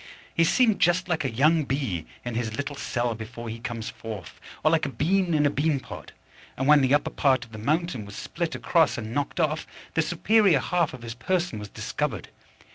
He seemed just like a young bee in his little cell before he comes forth, or like a bean in a bean pod; and when the upper part of the mountain was split across and knocked off, the superior half of his person was discovered.